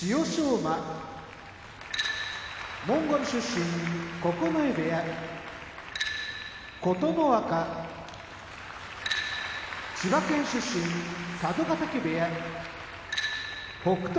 馬モンゴル出身九重部屋琴ノ若千葉県出身佐渡ヶ嶽部屋北勝